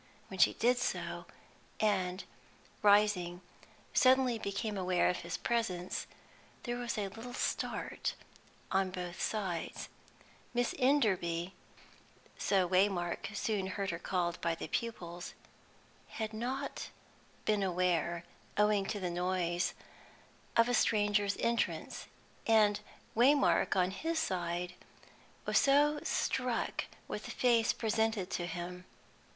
When she did so, and, rising, suddenly became aware of his presence, there was a little start on both sides; Miss Enderby so Waymark soon heard her called by the pupils had not been aware, owing to the noise, of a stranger's entrance, and Waymark on his side was so struck with the face presented to him.